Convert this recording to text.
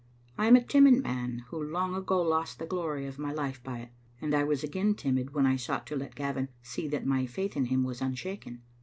I am a timid man who long ago lost the glory of my life by it, and I was again timid when I sought to let Gavin see that my faith in him was unshaken.